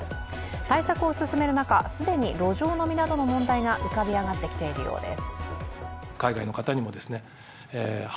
対策を進める中、既に路上飲みなどの問題が浮かび上がってきているようです。